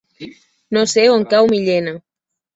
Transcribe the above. No sé on cau Millena.